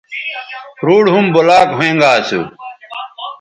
روڈ ھُم بلاکھوینگااسو